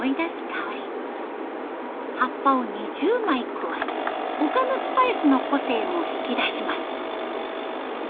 葉っぱを２０枚加え他のスパイスの個性も引き出します。